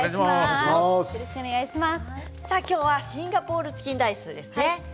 今日はシンガポールチキンライスですね。